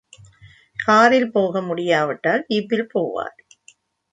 காரில் போக முடியாவிட்டால் ஜீப்பில் போவார்.